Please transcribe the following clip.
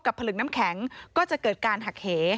ผลึกน้ำแข็งก็จะเกิดการหักเห